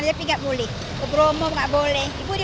berapa kok kalau yang mau denger